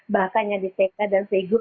bahkan yang di ck dan c group